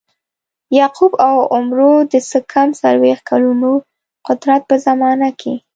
یعقوب او عمرو د څه کم څلویښت کلونو قدرت په زمانه کې.